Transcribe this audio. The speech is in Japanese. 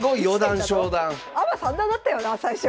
アマ三段だったよな最初！